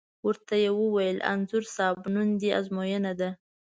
ور ته یې وویل: انځور صاحب نن دې ازموینه ده.